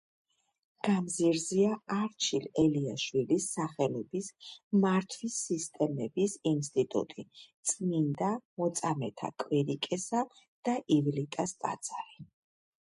გამზირზეა არჩილ ელიაშვილის სახელობის მართვის სისტემების ინსტიტუტი, წმინდა მოწამეთა კვირიკესა და ივლიტას ტაძარი.